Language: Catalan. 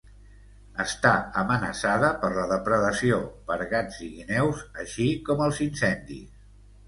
Està amenaçada per la depredació per gats i guineus, així com els incendis.